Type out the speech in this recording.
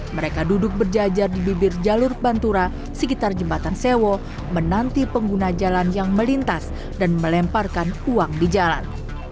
mereka duduk berjajar di bibir jalur pantura sekitar jembatan sewo menanti pengguna jalan yang melintas dan melemparkan uang di jalan